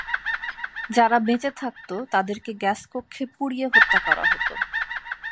যারা বেঁচে থাকত তাদেরকে গ্যাস কক্ষে পুড়িয়ে হত্যা করা হত।